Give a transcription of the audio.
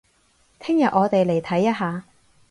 聽日我哋嚟睇一下